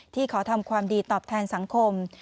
ขอทำความดีตอบแทนสังคม